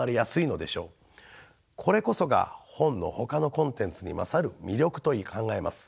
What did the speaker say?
これこそが本のほかのコンテンツに勝る魅力と考えます。